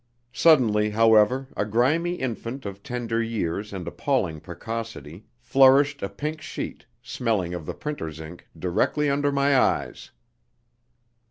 Suddenly, however, a grimy infant of tender years and appalling precocity flourished a pink sheet, smelling of the printer's ink, directly under my eyes.